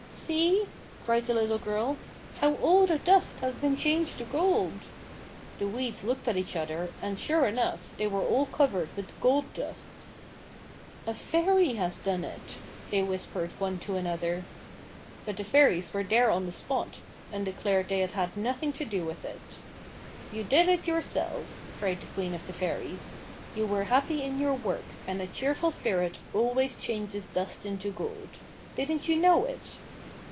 "See," cried a little girl, "how all the dust has been changed to gold!" The weeds looked at each other, and, sure enough, they were all covered with gold dust. "A fairy has done it," they whispered one to the other. But the fairies were there on the spot, and declared they had had nothing to do with it. "You did it yourselves," cried the queen of the fairies. "You were happy in your work, and a cheerful spirit always changes dust into gold. Didn't you know it?"